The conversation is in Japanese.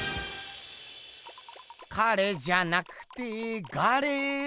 彼じゃなくてガレ。